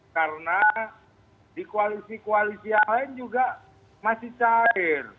karena di koalisi koalisi yang lain juga masih cair